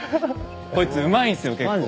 こいつうまいんすよ結構。